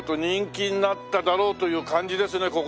人気になっただろうという感じですね